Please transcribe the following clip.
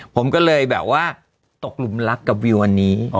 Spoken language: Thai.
ผมก็เลยแบบว่าตกหลุมรักกับวิวอันนี้